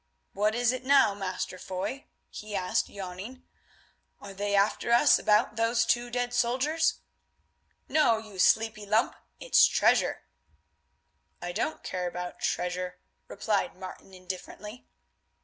"What is it now, Master Foy?" he asked yawning. "Are they after us about those two dead soldiers?" "No, you sleepy lump, it's treasure." "I don't care about treasure," replied Martin, indifferently.